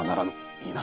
いいな。